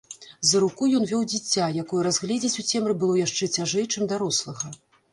За руку ён вёў дзіця, якое разгледзець у цемры было яшчэ цяжэй, чым дарослага.